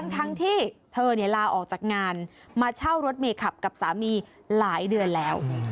ทั้งที่เธอลาออกจากงานมาเช่ารถเมย์ขับกับสามีหลายเดือนแล้ว